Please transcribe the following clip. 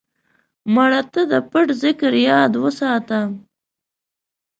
مړه ته د پټ ذکر یاد وساته